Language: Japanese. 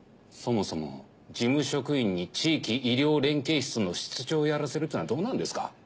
そもそも事務職員に地域医療連携室の室長をやらせるっていうのはどうなんですか？